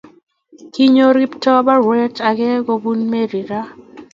Kinyor Kiptoo barwet ake kobun Mary ra